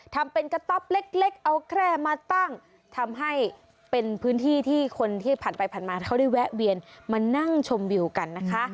ทำเป็นกระต๊อปเล็กเล็กเอาแคร่มาตั้งทำให้เป็นพื้นที่ที่คนที่ผ่านไปผ่านมาเขาได้แวะเวียนมานั่งชมวิวกันนะคะ